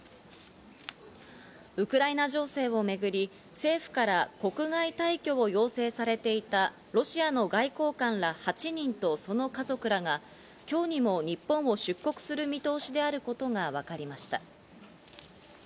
ウクライナ情勢をめぐり、政府から国外退去を要請されていたロシアの外交官ら８人とその家族らが今日にも日本を出国する見通しであることがわかりました。